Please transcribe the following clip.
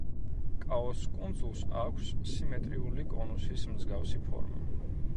კაოს კუნძულს აქვს სიმეტრიული კონუსის მსგავსი ფორმა.